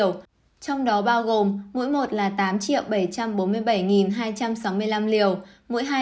trong đó bao gồm mũi một là tám bảy trăm bốn mươi bảy hai trăm sáu mươi năm liều mũi hai là tám ba trăm linh bốn năm trăm bốn mươi một liều